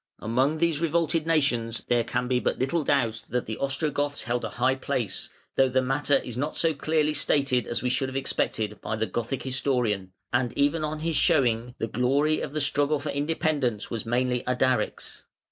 ] Among these revolted nations there can be but little doubt that the Ostrogoths held a high place, though the matter is not so clearly stated as we should have expected, by the Gothic historian, and even on his showing the glory of the struggle for independence was mainly Ardaric's.